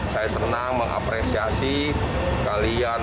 saya senang mengapresiasi kalian